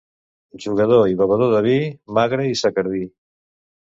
Jugador i bevedor de vi, magre i secardí.